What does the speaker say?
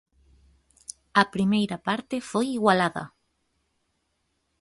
A primeira parte foi igualada.